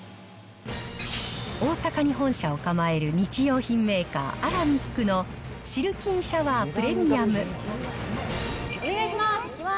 大阪に本社を構える日用品メーカー、アラミックのシルキンシャワー・プレミアム。